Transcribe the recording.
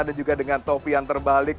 dan juga dengan topi yang terbalik